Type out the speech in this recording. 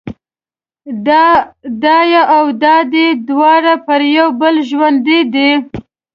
دای او دادۍ دواړه پر یو بل ژوندي دي.